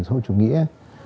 xã hội chủ nghĩa